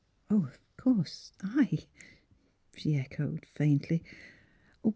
'' Oh, of course, I " she echoed faintly.